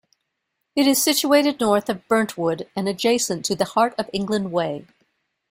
It is situated north of Burntwood and adjacent to the Heart of England Way.